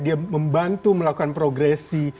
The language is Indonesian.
dia membantu melakukan progresi